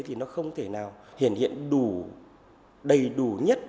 thì nó không thể nào hiển hiện đầy đủ nhất